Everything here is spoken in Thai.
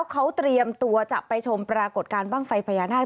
เขาเตรียมตัวจะไปชมปรากฏการณ์บ้างไฟพญานาค